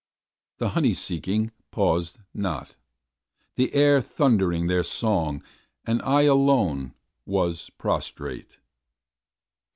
The honey seeking paused not, the air thundered their song, and I alone was prostrate.